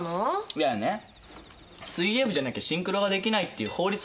いやね水泳部じゃなきゃシンクロができないっていう法律があるわけじゃないんだよ。